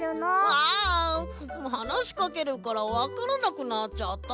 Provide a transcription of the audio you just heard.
あはなしかけるからわからなくなっちゃった。